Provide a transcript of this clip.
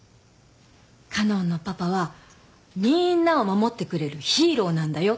「花音のパパはみーんなを守ってくれるヒーローなんだよ」